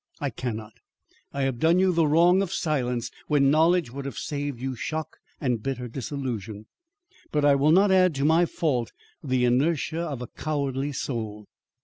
I cannot. I have done you the wrong of silence when knowledge would have saved you shock and bitter disillusion, but I will not add to my fault the inertia of a cowardly soul.